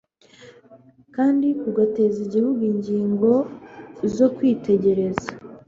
kandi kugateza igihu ingingo zo kwitegereza